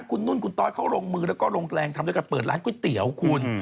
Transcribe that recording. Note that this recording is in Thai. คุณนุ่นคุณต้อยเขาลงมือแล้วก็ลงแรงทำด้วยการเปิดร้านก๋วยเตี๋ยวคุณ